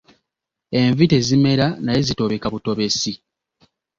Envi tezimera naye zitobeka butobesi.